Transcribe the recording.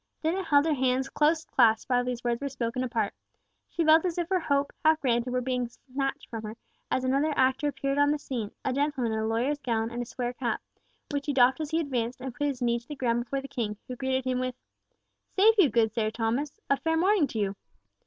Dennet held her hands close clasped while these words were spoken apart. She felt as if her hope, half granted, were being snatched from her, as another actor appeared on the scene, a gentleman in a lawyer's gown, and square cap, which he doffed as he advanced and put his knee to the ground before the King, who greeted him with "Save you, good Sir Thomas, a fair morning to you."